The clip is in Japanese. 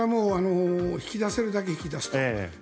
引き出せるだけ引き出すと。